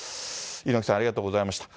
猪木さん、ありがとうございました。